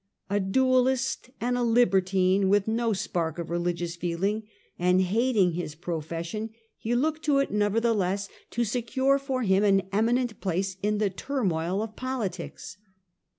A duellist and a libertine, with no spark ol religious feeling, and hating his profession, he looked to it nevertheless to secure for him an eminent place in the turmoil { of politics.